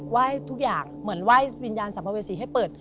ไหว้ทุกอย่างเหมือนไหว้วิญญาณสัมภเวษีให้เปิด